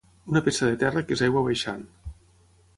Una peça de terra que és aigua baixant.